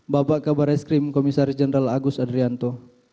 bapak kabar eskrim komisaris jenderal agus adrianto